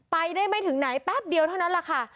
ไปได้ไม่ถึงไหนแป๊บเดียวเท่านั้นแหละค่ะ